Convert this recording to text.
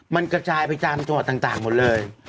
มันกระจายไปตามจังหวัดต่างหมดเลย